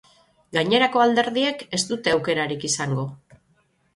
Gainerako alderdiek ez dute aukerarik izango.